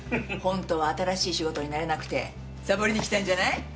本当は新しい仕事に慣れなくてサボりに来たんじゃない？